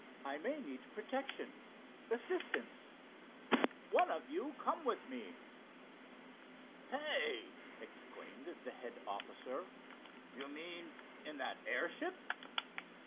I may need protection; assistance. One of you come with me." "Hey!" exclaimed the head officer—"you mean in that airship?"